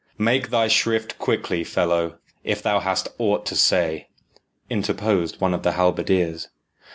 "Make thy shrift quickly, fellow, if thou hast aught to say," interposed one of the halberdiers.